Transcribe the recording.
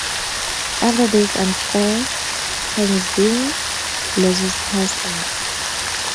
After this affair, Hanxiang loses her scent.